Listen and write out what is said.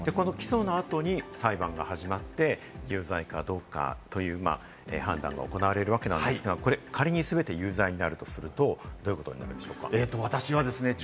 起訴の後に裁判が始まって有罪かどうかという判断が行われるわけなんですが、仮に全て有罪になるとすると、どういうことになるんでしょうか？